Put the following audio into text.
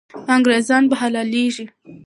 انګریزان به حلالېږي.